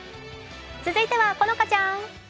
続いては好花ちゃん。